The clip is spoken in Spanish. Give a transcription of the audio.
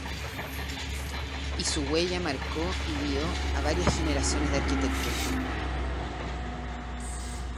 Y su huella marcó y guió a varias generaciones de arquitectos.